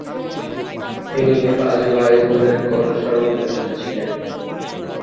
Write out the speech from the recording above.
তিনি পাঁচ ভাইবোনের সর্বকনিষ্ঠ ছিলেন।